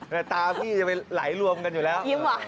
แต่ตาพี่จะไปไหลรวมกันอยู่แล้ว